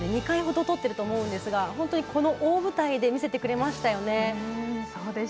２回ほどとっていると思いますが大舞台で見せてくれましたね。